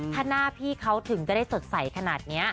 ถ้าหน้าพี่เขาถึงจะได้สดใสขนาดนี้